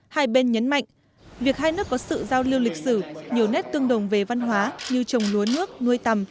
hai bên nhấn mạnh việc hai nước có sự giao lưu lịch sử nhiều nét tương đồng về văn hóa như trồng lúa nước nuôi tầm